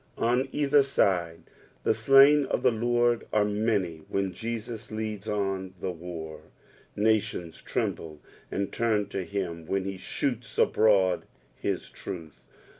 On either side the slain of the Lord are many when Jesus ileads on the war. Nations tremble and turn to him when he shoots abroad his truth.